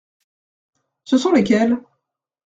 Ce sont lesquels ?